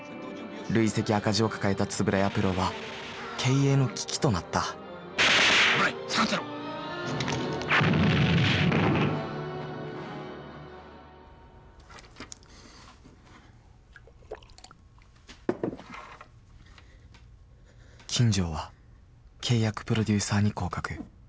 累積赤字を抱えた円谷プロは経営の危機となった金城は契約プロデューサーに降格。